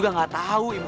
kamu gak tau aku gak tau